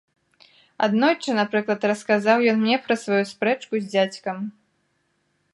Аднойчы, напрыклад, расказаў ён мне пра сваю спрэчку з дзядзькам.